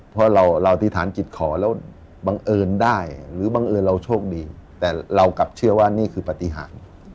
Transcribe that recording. เพราะเราอธิษฐานจิตขอแล้วบังเอิญได้หรือบังเอิญเราโชคดีแต่เรากลับเชื่อว่านี่คือปฏิหาร